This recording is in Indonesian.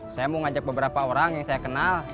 saya mau ngajak beberapa orang yang saya kenal